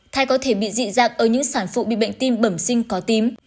thai có thể bị dị dạng ở những sản phụ bị bệnh tim bẩm sinh có tím